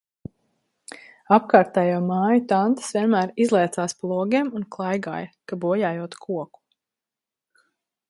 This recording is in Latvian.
Apkārtējo māju tantes vienmēr izliecās pa logiem un klaigāja, ka bojājot koku.